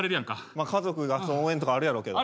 まあ家族が応援とかあるやろうけど。